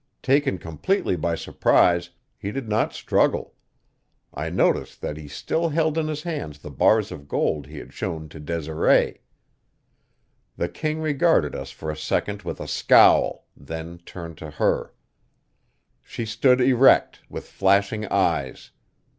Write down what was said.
Taken completely by surprise, he did not struggle. I noticed that he still held in his hands the bars of gold he had shown to Desiree. The king regarded us for a second with a scowl, then turned to her. She stood erect, with flashing eyes.